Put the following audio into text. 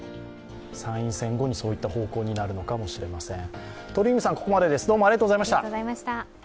参院選後にそういった方向になるのかもしれません。